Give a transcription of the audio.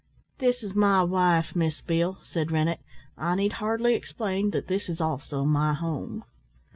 "This is my wife, Miss Beale," said Rennett. "I need hardly explain that this is also my home."